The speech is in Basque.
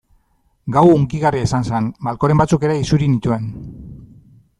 Gau hunkigarria izan zen, malkoren batzuk ere isuri nituen.